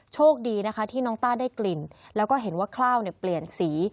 โชคดีนะคะที่น้องต้าได้กลิ่นแล้วก็เห็นว่าข้าวเปลี่ยนสี